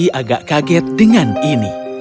nyonya aureli agak kaget dengan ini